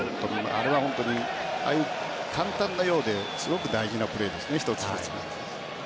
あれは本当に簡単なようで大事なプレーですね。